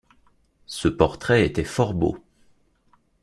Ce portrait était fort beau.